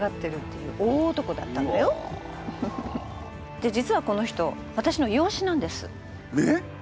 で実はこの人私の養子なんです。えっ！？